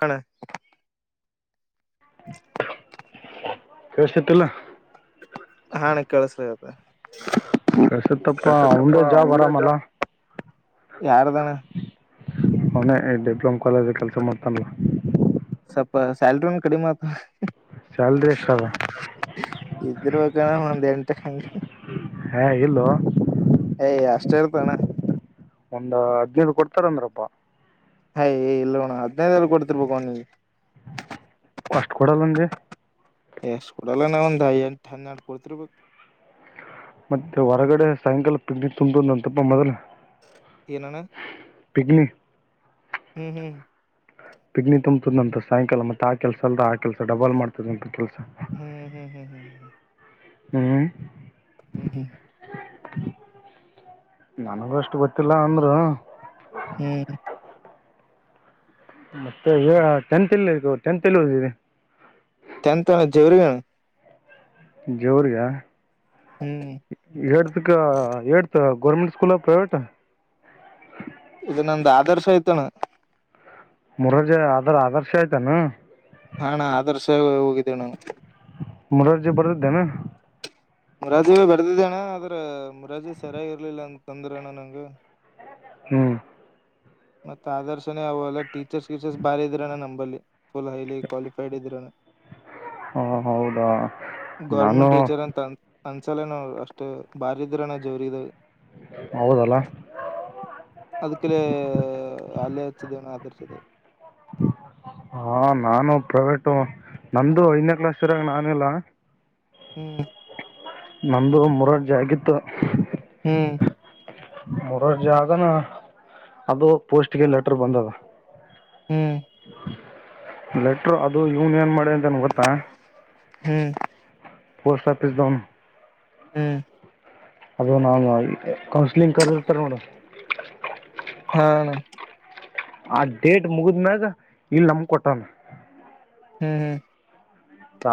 ಹಣ್ಣ ಕೆವಸ ತಿಲ್ಲ ಹಾ ಅಣ್ಣ [unintelligible] ಕೆಳ್ಸತ್ತಪ್ಪ ಅವಂದೇ ಜಾಬ್ ಅರಾಮಲ್ಲ ಯಾರ್ದಣ ಅವನೇ ಡಿಪ್ಲೊಮ್ ಕಾಲೇಜ ಕೆಲ್ಸ ಮಾಡ್ತಾನಲ್ಲ ಸಾಲರಿ ಒ ಕಡಿಮಾತ ಸ್ಯಾಲ್ರಿ ಎಷ್ಟ ಅದ ಇದುರ ಹಕ ಹ ದಂಟ ಹಂ ಹಾ ಇಲ್ಲೋ ಚೇರ್ತಣ ಒಂದ ಹದ್ನೈದು ಕೊಡ್ತಾರಂದ್ರಪ್ಪಾ ಹಯ ಇಲ್ಲೋಣ ಅ ಕೊತ ಪಕ ಅಷ್ಟ್ ಕೊಡಲ್ಲಂದಿ ಎಷ್ಟ ಕೊಡಲ್ಲ ನ ಒಂದ್ಐ ಎಂಟು ಹನ್ನೆಂಟ ಕೊಡ್ತಿರ್ಬೇಕು ಮತ್ತೆ ಹೊರಗಡೆ ಸಾಯಂಕಾಲ ಪಿಕ್ನಿಕ್ ತುಂಟು ಅಂತಪ್ಪ ಮೊದಲ ಏನಣ ಪಿಗ್ಮಿ ಹ್ಮ್ ಹ್ಮ್ ತ ಸಾಯಂಕಾಲ ಮತ್ತೆ ಆ ಕೆಲಸ ಅಲ್ ಆ ಕೆಲಸ ಡಬಲ್ ಮಾಡ್ತದಂತ ಕೆಲಸ ಹ್ಮ್ ಹ್ಮ್ ಹ್ಮ್ ಹ್ಮ್ ಹ್ಮ್ ಹ್ಮ್ ಹ್ಮ್ ನನಗೂ ಅಷ್ಟು ಗೊತ್ತಿಲ್ಲ ಅಂದ್ರು ಹ್ಮ್ ಮತ್ತೆ ಟೆಂತ್ ಇಲ್ಲಿ ಇ ಟೆಂತ್ ಇಲ್ಲಿ ಹೋಧಿದ್ರಿ [unintelligible] ಜ್ಯೂರ್ಯ ಹ್ಮ್ ಹಳ್ತಕ್ಕ ಹೇಳ್ತ ಗೋರ್ಮೆಂಟ್ ಸ್ಕೂಲ್ ಪ್ರೈವೇಟ್ ಇ ನಂದು ಆದರ್ಶ ಆಯ್ತಣ್ಣ ಮೂರಾರ್ಜಿ ಆದರ ಆದರ್ಶ ಆಯ್ತಾನ ಹಣಾ ಆದರ್ಶ ಹೋಗಿದ್ದೇ ನು ಮೂರರ್ಜಿ ಬರ್ದಿದ್ದೇನೆ ಮುರಾಜಿ ಬೆಡದಿದ್ದಣ್ಣ ಆದ್ರ ಮುರಜಿ ಸರಿಯಾಗಿ ಇರ್ಲಿಲ್ಲ ಅಂತ ತಂದ್ರ ಅಣ್ಣ ನಂಗ ಹ್ಮ್ ಮತ್ತ ಆದರ್ಶನೇ ಅವ ಅಲ್ಲ ಟೀಚರ್ಸ್ ಟೀಚರ್ಸ್ ಬಾರ ಇದರನ ನಂಬ ಬ ಫುಲ್ ಹೈಲಿ ಕ್ವಾಲಿಫೈಡ್ ಇದರ ಹಾ ಹೌದಾ ನಾನು ಒಂದ್ಸಲ ನೋ ಅಷ್ಟ್ ಬಾರಿದ್ರನ ಜೋರಾವ [inaudible] ಹೌದಲ್ಲ ಅದಕ್ಕೆಲ [inaudible] ಅಲ್ಲೇ ಹಚ್ಚಿದ್ದೇನ ಆಧರಿಸಿದೆ [inaudible] [unintelligible] ಹಾ ನಾನು ಪ್ರೈವೇಟ ನಂದುು ಐದನೇ ಕ್ಲಾಸ್ರಾಗ ನಾನು ಇಿಲ್ಲ [inaudible] ಹ್ಮ್ [inaudible] ನ್ದ ಮೂರಡ್ಜಿ ಆಗಿತ್ತು [inaudible] ಹ್ಮ್ [inaudible] ಮರ ಜಾಗನ ಅದು ಪೋಸ್ಟ್ಗೆ ಲೆಟರ್ ಬಂದದ [inaudible] ಹ್ಮ್ [inaudible] ಲೆಟರ್ ಅದು ಯೂನಿಯನ್ ಮಾಡಿ ಅಂತನ್ ಗೊತ್ತಾ [inaudible] ಹ್ಮ್ ಪೋಸ್ಟ್ ಆಫಿಸ ದನ್ [inaudible] ಹ್ಮ್ [inaudible] ಅದು ನಾನು ಕೌನ್ಸಿಲಿಂಗ್ ಕರಿರ್ತಾರೆ ನೋಡ [inaudible] ಹಾ ಆನಾ ಆ ಡೇಟ್ ಮುಗಿದ್ಮ್ಯಾಗ ಇಲ್ಲಿ ನಮಗೆ ಕೊಟ್ಟಣ್ಣ ಹ್ಮ್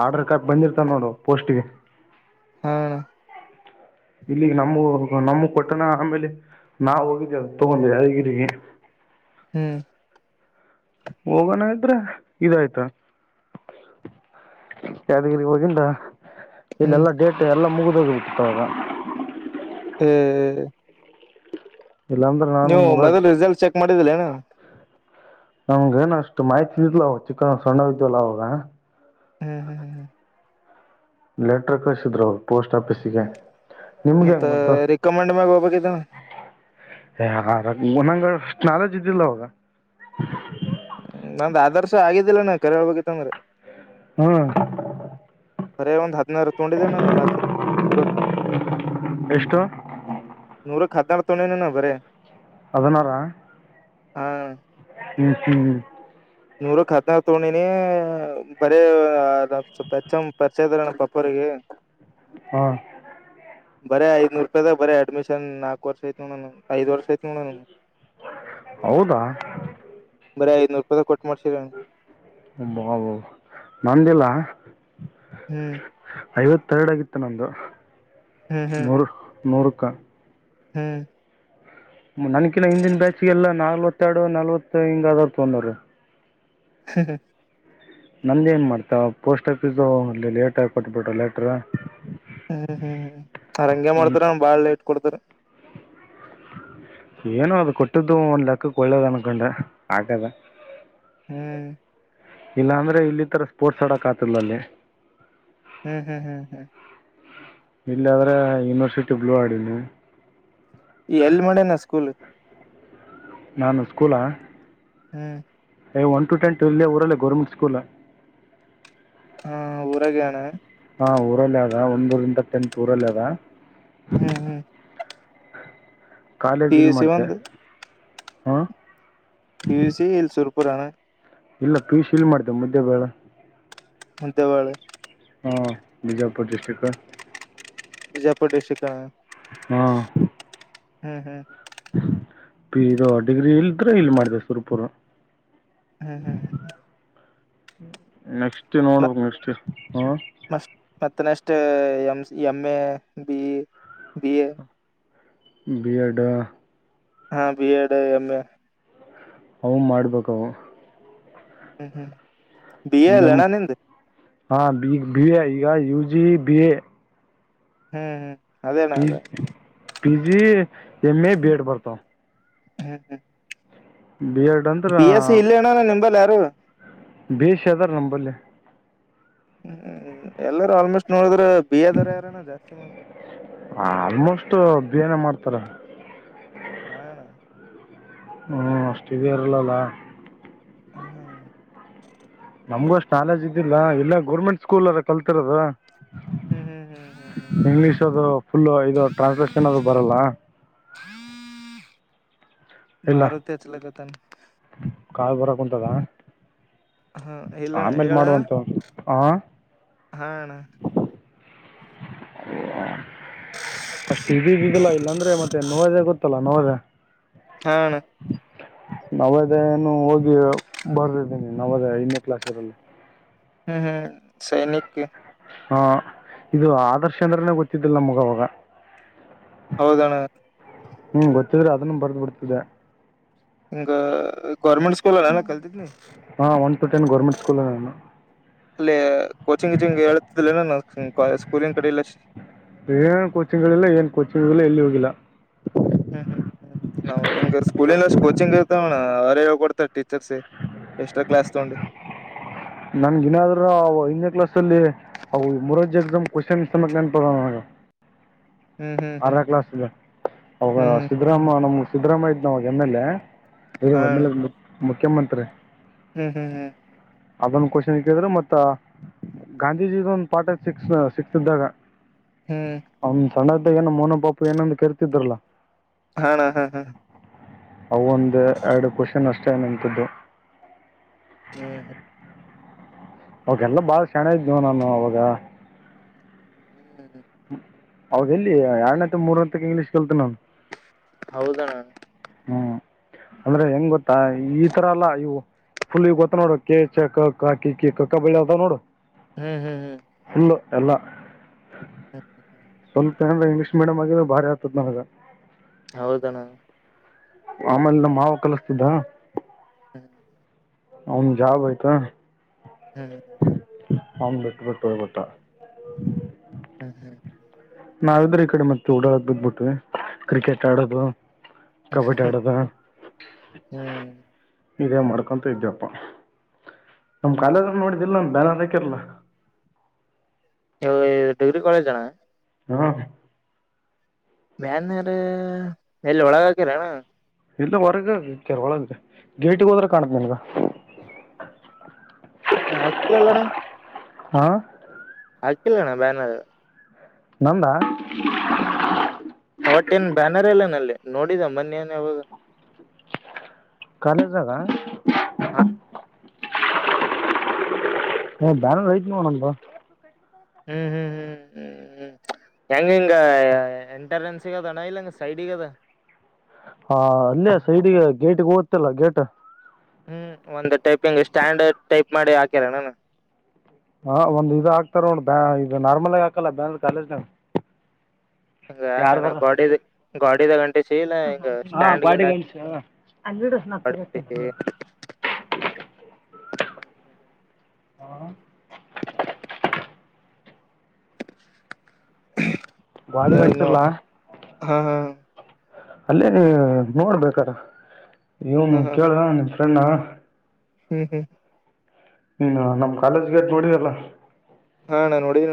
ಆರ್ಡರ್ ಕಟ್ ಬಂದಿರ್ತಾನ ನೋಡು ಪೋಸ್ಟ್ಗೆ [inaudible] ಹ್ಮ [inaudible] ಇಲ್ಲಿ ನಮ್ಮ ನಮ್ಮ ಕೊಟ್ಟಣ ಆಮೇಲೆ [inaudible] ನಾ ಹೋಗಿದ್ದೀ ಅ ತಗೊಂಡಿದ್ದ ಹಗೀ [inaudible] ಹ್ಮ್ [inaudible] ಹೋಗೋಣ ಇದ್ರೆ ಇದಾಯ್ತ [inaudible] ಯಾದಗಿರಿ ಹೋಗಿಂದ [inaudible] ಹ್ಮ್ ಇಲ್ಲೆಲ್ಲಾ ಡೇಟ್ ಎಲ್ಲಾ ಮುಗಿದೋಗ್ಬೇಕಿತ್ತುಾಗ [inaudible] ಹ್ಮ ಇಲ್ಲಾಂದ್ರೆ ನಾನು ನೀವು ಮುರಾಜ್ ಮಗನ್ ರಿಸಲ್ಟ್ ಚೆಕ್ ಮಾಡಿದಿಲ್ಲ ಏನು ನಮ್ಗ ಏನು ಅಷ್ಟು ಮಾಹಿತಿಯಿದಿಲ್ಲ ಅವ ಚಿಕ್ಕನ್ ಸಣ್ಣವಿದವಲ್ಲ ಅವಾಗ ಹ್ಮ್ ಹ್ಮ್ ಹ್ಮ್ ಹ್ಮ ಲೆಟರ್ ಕಳಿಸಿದ್ರು ಪೋಸ್ಟ್ ಆಫೀಸಗೆ ಮತ್ತ ರಿಕಮೆಂಡ್ ಮ್ಯಾಗ ಹೋಗ್ಬೇಕಿದ್ದಾನ ಹೇ ನಂಗ ನಾಲೇಜ್ ಇದ್ದಿಲ್ಲ ಅವಾಗ ಹ್ಮ ನಂದು ಆದರ್ಶ ಆಗಿದ್ದಿಲ್ಲನಾ ಕರೆ ಹೇಳ್ಬೇಕಿತ್ತ ಅಂದ್ರೆ ಹು ಬರೇ ಒಂದು ಹದಿನಾರು ತಕೊಂಡಿದೆ ಮಾರ್ಕ್ಸ್ ಪುರಾ ಎಷ್ಟು ನೂರಕ್ ಹದಿನಾರು ತಕೊಂಡಿದೆ ನಾ ಬರಿ ಹಾದಿನರ ಹ್ಮ್ ಹ್ಮ್ ನೂರಕ್ಕೆ ಹದಿನಾರು ತಕೊಂಡಿದೀನಿ ಬರಿ ಸ್ವಲ್ಪ ಹೆಚ್ ಎಂ ಪರಿಚಯಾ ಇದ್ರಣ್ಣ ಅಪ್ಪ ಅವರಿಗೆ ಹಾ ಬರಿ ಐದನೂರು ರೂಪಾಯದಾಗ ಬರಿ ಅಡ್ಮಿಶನ್ ನಾಕಕ್ ವರ್ಷ ಆಯ್ತಣ್ಣ ಐದು ವರ್ಷ ಐತ್ ನೋಡ ಹೌದಾ ಬರಿ ಐನ್ನೂರು ರೂಪಾಯಿ ಕೊಟ್ಟು ಮಾಡ್ಸಿರ ಬಂದಿಲ್ಲ ಹ್ಮ್ ಐವತ್ತೆರಡು ಆಗಿತ್ತು ನಂದು ಹ್ಮ್ ಹ್ಮ್ ನೂರಕ್ಕ ಹ್ಮ್ ನನ್ಕಿನ ಹಿಂದಿನ ಬ್ಯಾಚ್ಗೆಲ್ಲಾ ನಾಲ್ವತ್ತೆರಡು ನಲ್ವತ್ತು ಹಿಂಗ ಅದರ್ ತಕೊಂದ್ರಿ [inaudible] ನಂದ ಏನ್ ಮಾಡ್ತಾವ ಪೋಸ್ಟ್ ಆಫೀಸು ಅಲ್ಲಿ ಲೇಟ ಆಗಿ ಕೊಟ್ಬಿಟ್ರ ಲೆಟ್ರ ಹ್ಮ್ ಹ್ಮ್ ಹ್ಮ್ ಅವರಂಗೆ ಮಾಡ್ತಾರ ಬಾಳ್ ಲೇಟ್ ಕೊಡ್ತಾರ ಏನು ಅದು ಕೊಟ್ಟದು ಒಂದ್ ಲೆಕ್ಕಕ್ ಒಳ್ಳದ ಅನ್ಕೊಂಡೇ ಆಕಾಗ ಹ್ಮ್ ಇಲ್ಲಾಂದ್ರೆ ಇಲ್ಲಿ ತರ ಸ್ಪೋರ್ಟ್ಸ್ ಆಡಕ್ ಆತಿಲ್ಲ ಅಲ್ಲಿ ಹ್ಮ್ ಹ್ಮ್ ಹ್ಮ್ ಹ್ಮ್ ಇಲ್ಲ ಆದ್ರೆ ಯೂನಿವರ್ಸಿಟಿ ಬ್ಲೂ ಆರ್ಡಿನಿ ಎಲ್ ಮಾಡಿನ ಸ್ಕೂಲ್ ನಾನು ಸ್ಕೂಲ ಹ್ಮ್ ಒನ್ ಟು ಟೆನ್ ಟ್ವೆಲ್ ಊರಲ್ಲೇ ಗೌರ್ಮೆಂಟ್ ಸ್ಕೂಲಾ ಹಾ ಊರಗೆ ಅಣ್ಣ ಹಾ ಊರಲ್ಲೇ ಅದ ಒಂದರಿಂದ ಟೆಂತ್ ಊರಲ್ಲಿ ಅದ ಹ್ಮ್ ಹ್ಮ್ ಕಾಲೇಜ್ ಪಿ ಯು ಇಲ್ಲಿ ಸಿ ಮಾಡಿದೆ ಒಂದು ಹಾಂ ಪಿಯುಸಿ ಎಲ್ಲಿ ಸುರ್ಪುರಣ ಇಲ್ಲ ಪಿ ಯು ಸಿ ಮಾಡಿದ್ದೆ [unintelligible] ಮುದ್ದೆಮಾಳ್ ಹಾಂ ಬಿಜಾಪುರ ಡಿಸ್ಟ್ರಕ್ ಬಿಜಾಪುರ್ ಡಿಸ್ಟ್ರಿಕ್ಟ್ ಹ್ಮ್ಮ್ ಹ್ಮ್ ಹ್ಮ್ ಡಿಗ್ರಿ ಇಲ್ದ್ರೆ ಇಲ್ ಮಾಡಿದೆ ಸುರ್ಪುರ್ ಹ್ಮ್ ಹ್ಮ್ ಹ್ಮ್ ನೆಕ್ಟ್ ನೋಡ್ಬೇಕಕ್ ನೆಕ್ಸ್ಟ್ ಹ ಮ ಮತ್ತಷ್ಟ M M A B B A ಬಿಯಡ ಹಾ ಬಿ ಎಡ್ ಎಮ ಎ ಅವು ಮಾಡ್ಬೇಕವು ಹ್ಮ್ ಹ್ಮ್ ಬಿಯ ಎಲ್ಲ ನ ನಿಂದ ಹಾ ಬಿ ಬಿ ಎ ಈಗ ಯು ಜಿ ಬಿ ಎ ಹ್ಮ್ ಹ್ಮ್ ಅದೇನ ಪಿ ಅದೇ P G M A B Ed ಬರ್ತಾವ ಹ್ಮ್ ಹ್ಮ್ ಬಿ ಎಡ್ ಅಂದ್ರೆ ಬಿ ಎಸ್ ಸಿ ಇಲ್ಲ ಅಣ್ಣ ನಿಂಬಲ್ಲಿ ಯಾರು ಹ್ಮ್ ಬಿ ಎ ಸಿ ಅದಾರ ನಮ್ಮಂಬಲ್ಲಿ ಹ್ಮ್ ಎಲ್ಲಾರೂ ಆಲ್ಮೋಸ್ಟ್ ನೋಡಿದ್ರ ಬಿಯದಾರ ಯಾರನ ಜಾಸ್ತಿ ಮ ಆಲ್ಮೋಸ್ಟ್ ಬಹನ ಮಾಡ್ತಾರ ಹಾ ಹ್ಮಅಷ್ಟಿಗೆೇ ಇರಲಲ್ಲ ಹ್ಮ್ ಹ್ಮ್ ನಮ್ಗ ಅಷ್ಟ್ ನಾಲೇಜ್ ಇದ್ದಿಲ್ಲ ಎಲ್ಲ ಗೋರ್ಮೆಂಟ್ ಸ್ಕೂಲ್ರ ಕಲ್ತರದ ಹ್ಮ್ ಹ್ಮ್ ಹ್ಮ ಇಂಗ್ಲಿಷ್ ಅದು ಫುಲ್ ಇದು ಟ್ರಾನ್ಸ್ಲೇಷನ್ ಅದು ಬರಲ್ಲ ಮಾರುತಿಚ್ಲಗತಾನ ಕಾಯ ಬರಕ್ ಉಂಟದ ಹಾ ಇಲ್ಲಣ್ಣ ಆಮೇಲ್ ಹೇಳಣ್ಣ ಮಾಡುವಂತ ಆ ಹಾ ಅಣ್ಣ ಅಷ್ಟ್ ಇದೀಗಗಲ್ಲಾ ಇಲ್ಲಾಂದ್ರೆ ಮತ್ತೆ ನವೋದಯ ಗೊತ್ತಲ್ಲ ನವೋದಯ ಹ ಅಣ್ಣಾ ನವದೇನು ಹೋಗಿ ಬರ್ದ್ದೀನಿ ನವದೆೇ ಇನೇ ಕ್ಲಾಸ್ರಲ್ಲಿ ಹ್ಮ್ ಹ್ಮ್ ಸೈನಿಕ ಹಾ ಇದು ಆದರ್ಶ ಅಂದ್ರನೇ ಗೊತ್ತಿದ್ದಿಲ್ಲ ಮಗವಾಗ ಹೌದಣ್ಣ ಹ್ಮ್ ಗೊತ್ತಿದ್ರೆ ಅದನ್ನು ಬರ್ದು ಬಿಡ್ತದೆ ಹಿಂಗ ಗೌರ್ಮೆಂಟ್ ಸ್ಕೂಲ್ ಅಲ್ಲ ಎಲ್ಲ ಕಲ್ತಿದ್ನಿ ಹಾಂ one to ten government school ನು ಅಲ್ಲೇ ಕೋಚಿಂಗ್ ಕಚಿಂಗ್ ಹೇಳ್ತಿದ್ದಲನ ನ ಸ್ಕೂಲಿನ ಕಡೆ ಇಲ್ಲ ಏನ್ ಕೋಚಿಂಗ್ಗಳಿಲ್ಲ ಏನ್ ಕೋಚಿಂಗ್ ಇಲ್ಲ ಎಲ್ಲಿ ಹೋಗಿಲ್ಲ ಹ್ಮ್ ಹ್ಮ್ ಹ್ಮ್ ನಾವ್ ಹಿಂಗ ಸ್ಕೂಲ್ಲ್ ಅಷ್ಟ್ ಕೋಚಿಂಗ್ ಇರ್ತವಣ್ಣ ಅವರೇ ಹೇಳ್ಕೊಡ್ತಾರೆ ಟೀಚರ್ಸ ಎಕ್ಸ್ಟ್ರಾ ಕ್ಲಾಸ್ ತಗೊಂಡು ನನ್ಗನಾದ್ರೂ ಹಿಂದೇ ಕ್ಲಾಸ್ ಅಲ್ಲಿ ಮರಜ್ ಎಕ್ಸಾಮ್ ಕ್ವೆನ್ ಸಮಕ್ ನೆನ್ಪದ ನನಗ ಹ್ಮ್ ಹ್ಮ್ ಆರ ಹ್ಮ್ ಕ್ಲಾಸ್ ಇ ಅವ ಹ್ಮ್ ಹ್ಮ್ ಹ್ಮ್ ಸಿದ್ದರಾಮ್ಯನ ಸಿದ್ದರಾಮಯ್ಯ ಇದ್ ನಾಗ ಎಮ್ ಹಾ ಅಣ್ಣ ಎಲ್ ಎ ಮುಖ್ಯಮಂತ್ರಿ ಹ್ಮ್ ಹ್ಮ್ ಹ್ಮ್ ಅದೊಂದ ಕ್ವಶನ್ ಇಕ್ಕಿದ್ರರು ಮತ್ತ ಗಾಂಧೀಜಿದು ಪಾಠ ಸಿಕ್ಸ್ ಸಿಕ್ಸ್ ಇದ್ದಾಗ ಹ್ಮ್ ಅವ್ನ್ ಸಣ್ಣದಾಗ ಏನು ಮೌನ ಪಾಪು ಏನೊಂದು ಕರ್ತಿದ್ರಲ್ಲ ಹಾ ಹಾ ಹಾ ಅವ ಒಂದು ಎರಡು ಕ್ವಶನ್ ಅಷ್ಟೇ ನಂಥದ್ದು ಹ್ಮ್ ಹ್ಮ ಅವಕಲ್ಲ ಬಾಳ ಶಣ ಇದ್ವ ನಾನು ಅವಾಗ ಹ್ಮ್ ಅವಾಗ ಎಲ್ಲಿ ಎರಡ್ಂತ ಮೂರ್ತ್ತಕ್ ಇಂಗ್ಲೀಷ್ ಕಲ್ತ ನಾನು ಹೌದಣ ಹ್ಮ್ ಅಂದ್ರೆ ಹೆಂಗ್ ಗೊತ್ತಾ ಈ ತರ ಎಲ್ಲಾ ಇವು ಫುಲ್ಗ್ ಗೊತ್ತ ನೋಡ ಕ ಚ ಕ ಕಾ ಕಿ ಕಿ ಕಕ್ಕ ಬಳಿ ಆತ ನೋಡ ಹ್ಮ್ ಹ್ಮ್ ಹ್ಮ್ ಎಲ್ಲ ಹ್ಮ್ ಹ್ಮ್ ಏ್ರಇಂಗ್ಲಷ್ ಮೀಡಿಯಂ ಆಗ್ರೆ ಭಾರಿ ಆತದ ನನಗೆ ಹೌದಣ್ಣಾ ಆಮೇಲೆ ಮಾವ ಕಲಸ್ತುದಾ ಹ್ಮ್ ಹ ಜಾಬ್ ಆಯ್ತಾ ಹ್ಮ್ ಹ ಬಿಟ್ಟು ಬಿಟ್ಟು ಹೋಗಿಬಿಟ್ಟ ಹ್ಮ್ ಹ್ಮ್ ನಾವಿದ್ರೆ ಈ ಕಡೆ ಮತ್ತೆ ಓಡಾಡದ ಬದ್ಬಿಟ್ವಿ ಕ್ರಿಕೆಟ್ ಆಡೋದು ಕಬಡ್ಡಿ ಆಡೋದು ಹ್ಮ್ ಇದೇ ಮಾಡ್ಕೊಂತ ಇದ್ಯಪ್ಪ ನಮ ಕಾಲೇ ನೋಡಿದಿಲ್ಲ ನಮ ಬೇಲ ಹಾಕಿರ್ಲ್ಲ ಇ ಡಿಗ್ರಿ ಕಾಲೇಜ್ನಾ ಹ್ಮ ಮ್ಯಾನ್ರ ಎಲ್ಲಿ ಒಳಗ ಹಾಕರಣ ಇಲ್ಲ ಹೊರಗ ಕೆರ ಒಳಗ ಗೇಟಿಗೆ ಹೋದ್ರೆ ಕಾಣತ್ ನನ್ಗ ಯಾಕಲಲ್ಲಣ್ಣ ಹಾ ಹಾಕಿಲ್ಲಣ್ಣ ಬ್ಯಾನರ್ ನಂದ ಒಟ್ಟೇನ್ ಬ್ಯಾನರ್ ಎಲ್ಲ ನಲ್ಲಿ ನೋಡಿದ ಮೊನ್ನ ನ್ ಯಾವಾಗ ಕಾಲೇಜ್ ಜಾಗ ಹ ಬ್ಯಾನರ್ ಐತ್ ನೋಡೋಣ ನಂದು ಹ್ಮ್ ಹ್ಮ್ ಹ್ಮ್ ಹ್ಮ್ ಹೆಂಗ ಹಿಂಗ ಎಂಟ್ರನ್ಸಗ ಅದಣ್ಣ ಇಲ್ಲ ಹಂಗ ಸೈಡ್ಗ ಅದ ಹಾ ಅಲ್ಲೇ ಸೈಡ್ಗೆ ಗೇಟಿಗೆ ಹಓತ್ತಲ್ಲ ಗೇಟ್ ಹ್ಮ್ ಒಂದು ಟೈಪಿಂಗ್ ಸ್ಟ್ಯಾಂಡರ್ಡ್ ಟೈಪ್ ಮಾಡಿ ಹಾಕ್ಯರಣಾನ ಹಾ ಒಂದ್ ಇದ ಹಾಕ್ತಾರ ಬ ಇ ನಾರ್ಮಲ್ ಆಗ ಹಾಕಲ್ಲ ಬ್ಯಾನ್ ಕಾಲೇಜ್ನ ಹ ಹಂಗಣ ಗಡ ಗಾಡಿದ ಗಂಟ ಹತ ಹ ಹಾ ನ ಗಾಡಿ ನ ಗಂಟ್ಸಿಲ್ಲ ಹಾ ಹಾ ಅಲ್ಲೇ ನೋಡ್ಬೇಕಾರ ಹಾ ವನು ಹಾ ಕೇಳ ನಿನ್ ಫ್ರೆಂಡ ಹ್ಮ್ ಹ್ಮ್ ಹ್ಮ ನಮ್ ಕಾಲೇಜ್ಗೆ ಅದ ನೋಡಿದಲ್ಲ ಹಾ ನಾ ನೋಡಣ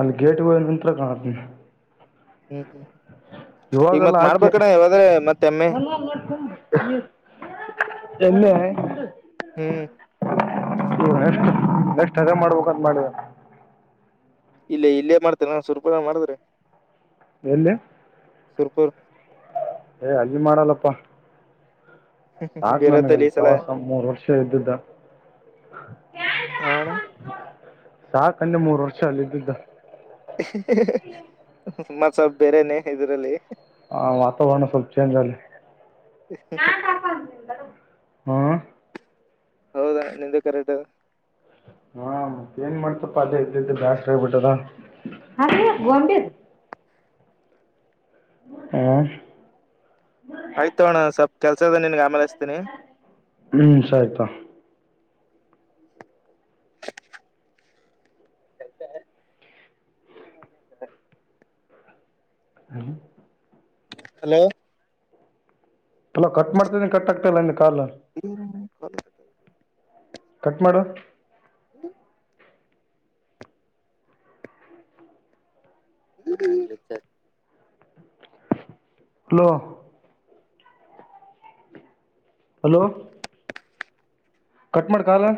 ಅಲ್ಲಿ ಗೇಟ್ಗ ನಂತತ್ರ ಕಾಣ ಹ್ಮ್ ಹ್ಮ್ ಹ್ಮ್ ಇವಾಗೆಲ್ಲ ಆಚೆ ಎಮ್ಮೆ ಎಲ್ಲ ಹ್ಮ್ ನ ನೆಕ್ಟ್ ಹದ ಮಾಡ್ಬೇಕಂತ ಮಾಡ ಇಲ್ಲ ಇಲ್ಲೇ ಮಾಡ್ತೇ ನಾ ಸ್ವರ್ಪ ಮಾಡ್ತ್ರೆ ಎಲ್ಲಿ ಸರ್ಪು ಏ ಅಲ್ಲಿ ಮಾಡಲ್ಲಪ್ಪಾ ಸಾಕ ಬೀರತ್ತಲ್ಲಿ ನನಗೆಲ್ಲಿ ಈ ಸಲ ಸವಾಸ ಮೂರ್ ವರ್ಷ ಇದ್ದ್ದ ಹ ಆನಾ ಸಾಕಂದೆ ಮೂರು ವರ್ಷ ಅಲ್ಲ ಇದಿದ್ದಿದ್ದು ಮಸ ಬೇರೆನೆೇ ಇದ್ರಲ್ಲಿ ಹಾ ವಾತಾವರಣ ಸ್ವಲ್ಪ ಚೇಂಜ್ ಆಲ್ಲಿ ಹ್ಮ ಹೌದಾ ನಿಂದು ಕರೆಟದು ಹಾ ಮತ್ತ ಏನ್ ಮಾಡ್ತಪ್ಪಾ ಅದೇ ಇದ ಜಾಸ್ ಆಗ್ಬಿಟ್ಟದ ಹಾ ರ ಹ್ಮ್ ಗೊಂಬಿ ಹ ಆಯ್ತು ಅಣ್ಣ ಸ್ವಪ್ ಕೆಲ್ಸದ ನಿನ್ಗೆ ಆಮೇಲೆ ಹಚ್ತೀನಿ ಹ್ಮ್ ಸರಿ ತಾ ಹ್ಮ ಹಲೋ ಎಲಾ ಕಟ್ ಮಾಡ್ತನಿ ಕಟ್ ಆಗ್ತ ಇಲ್ಲಾ ಇವರನ್ನ ಕಾಲತ ಕಟ್ ಮಾಡುವ ಹ್ಣ ಹ್ಮ ಹಲೋ ಹಲೋ ಕಟ್ಡ ಕಾಲ